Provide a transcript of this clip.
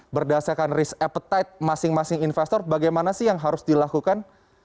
berdasarkan risk appetite masing masing investor bagaimana sih yang harus dilakukan